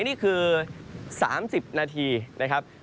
นี่คือ๓๐นาทีนะครับ